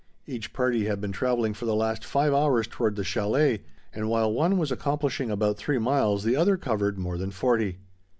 Each party had been travelling for the last five hours toward the chalet, and while one was accomplishing about three miles the other covered more than forty.